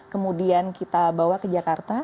kemudian kita bawa ke jakarta